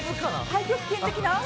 太極拳的な？